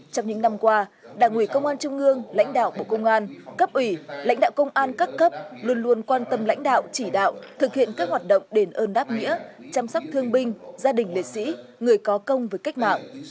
trong những năm qua đảng ủy công an trung ương lãnh đạo bộ công an cấp ủy lãnh đạo công an các cấp luôn luôn quan tâm lãnh đạo chỉ đạo thực hiện các hoạt động đền ơn đáp nghĩa chăm sóc thương binh gia đình liệt sĩ người có công với cách mạng